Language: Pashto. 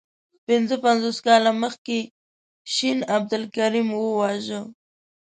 پنځه پنځوس کاله مخکي شین عبدالکریم وواژه.